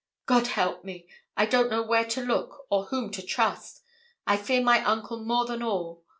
God help me! I don't know where to look, or whom to trust. I fear my uncle more than all.